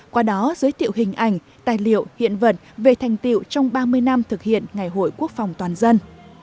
qua đó giới thiệu hình ảnh tài liệu hiện vật về thành tiệu trong ba mươi năm thực hiện ngày hội quốc phòng toàn dân